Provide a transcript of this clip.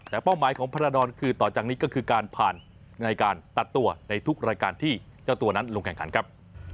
แต่เป้าหมายของพระราดรคือต่อจากนี้ก็คือการผ่านในการตัดตัวในทุกรายการที่เจ้าตัวนั้นลงแข่งขันครับ